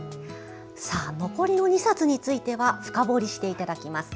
残りの２冊については深掘りしていただきます。